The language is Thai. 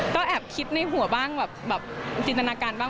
ก็แอบคิดในหัวบ้างแบบจินตนาการบ้าง